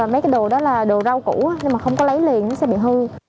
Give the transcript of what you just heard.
mấy cái đồ đó là đồ rau củ nhưng mà không có lấy liền nó sẽ bị hư